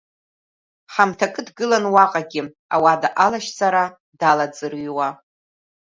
Ҳамҭакы дгылан уаҟагьы, ауада алашьцара далаӡырҩуа.